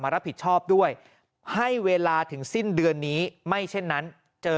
รับผิดชอบด้วยให้เวลาถึงสิ้นเดือนนี้ไม่เช่นนั้นเจอ